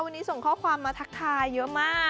วันนี้ส่งข้อความมาทักทายเยอะมาก